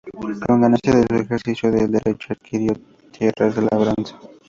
Con ganancias de su ejercicio del derecho, adquirió tierras de labranza.